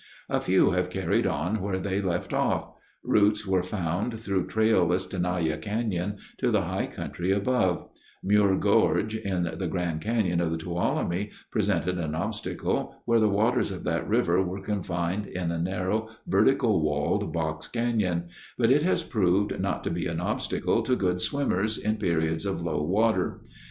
A few have carried on where they left off. Routes were found through trailless Tenaya Canyon to the high country above; Muir Gorge, in the Grand Canyon of the Tuolumne, presented an obstacle where the waters of that river were confined in a narrow, vertical walled box canyon, but it has proved not to be an obstacle to good swimmers in periods of low water.